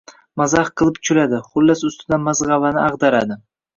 Mazax qilib kuladi, xullas ustidan magʻzavani agʻdaradi.